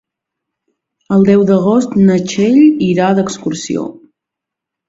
El deu d'agost na Txell irà d'excursió.